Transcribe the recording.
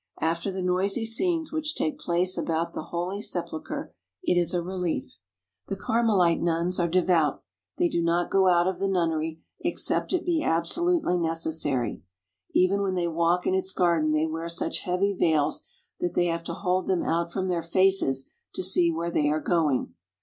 After the noisy scenes which take place about the Holy Sepulchre it is a relief. 126 EXCAVATING OLD JERICHO The Carmelite nuns are devout. They do not go out of the nunnery except it be absolutely necessary. ' Even when they walk in its garden they wear such heavy veils that they have to hold them out from their faces to see where they are going.